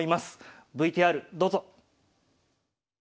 ＶＴＲどうぞ。